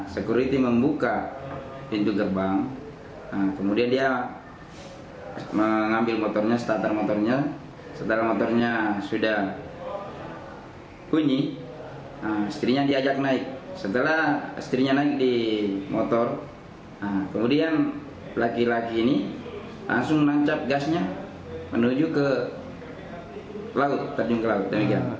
setelah istrinya naik di motor kemudian laki laki ini langsung menangkap gasnya menuju ke laut terjun ke laut